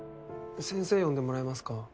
先生呼んでもらえますか。